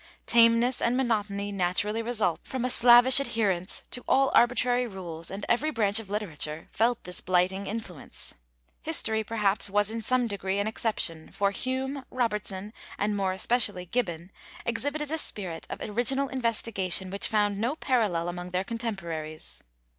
Tameness and monotony naturally result from a slavish adherence to all arbitrary rules and every branch of literature felt this blighting influence. History, perhaps, was in some degree an exception, for Hume, Robertson and more especially Gibbon, exhibited a spirit of original investigation which found no parallel among their contemporaries."